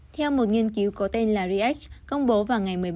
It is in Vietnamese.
theo một nghiên cứu có tên larry h